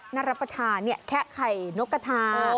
นัดรับประทานี่แค่ไข่นกกะทา